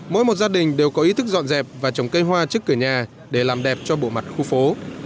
mỗi một gia đình đều có ý thức dọn dẹp và trồng cây hoa trước cửa nhà để làm đẹp cho bộ mặt khu phố